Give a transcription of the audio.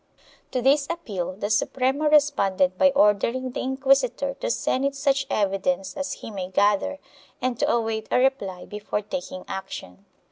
To this appeal the Suprema responded by ordering the inquisitor to send it such evidence as he may gather and to await a reply before taking action.